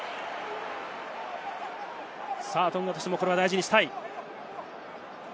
トンガとしても、これは大事にしたい。